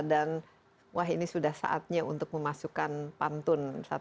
dan wah ini sudah saatnya untuk memasukkan pantun